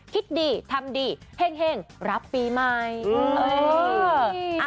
คิดดีทำดีเฮ่งรับปีใหม่